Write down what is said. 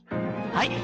はい！